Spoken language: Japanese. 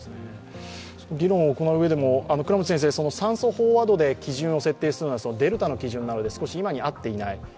議論を行ううえでも、酸素飽和度で基準を設定するのはデルタの基準なので今に合っていない。